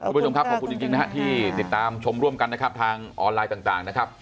คุณผู้ชมครับขอบคุณจริงนะฮะที่ติดตามชมร่วมกันนะครับทางออนไลน์ต่างนะครับ